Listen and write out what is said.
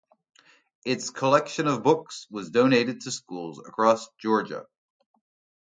Its collection of books was donated to schools across Georgia.